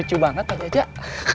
lucu banget pak jajak